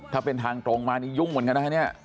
ถ้าเป็นทางตรงมายุ่งหมดกันนะ